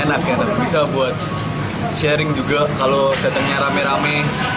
enak ya tapi bisa buat sharing juga kalau datangnya rame rame